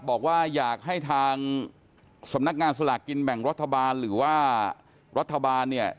บอกว่าอยากให้ทางสำนักงานสลากกินแบ่งรัฐบาลหรือว่ารัฐบาลเนี่ย